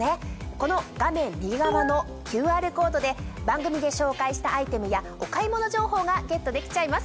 この画面右側のＱＲコードで番組で紹介したアイテムやお買い物情報がゲットできちゃいます。